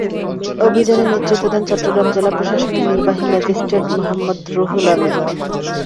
অভিযানে নেতৃত্ব দেন চট্টগ্রাম জেলা প্রশাসনের নির্বাহী ম্যাজিস্ট্রেট মোহাম্মদ রুহুল আমীন।